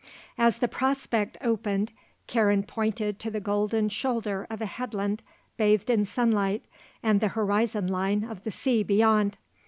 As the prospect opened Karen pointed to the golden shoulder of a headland bathed in sunlight and the horizon line of the sea beyond.